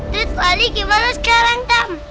tidak ali gimana sekarang tam